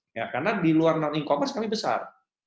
ya karena di luar non e commerce kami besar